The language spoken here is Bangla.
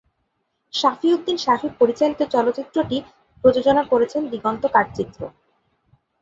শাফি উদ্দিন শাফি পরিচালিত চলচ্চিত্রটি প্রযোজনা করেছেন দিগন্ত কাঠচিত্র।